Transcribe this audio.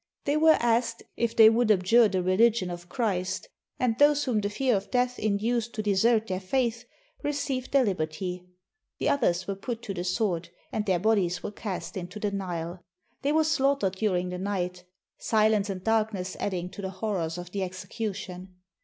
They were asked if they would abjure the religion of Christ ; and those whom the fear of death induced to desert their faith received their liberty; the others were put to the sword, and their bodies were cast into the Nile. They were slaughtered during the night; silence and darkness adding to the horrors of the execution.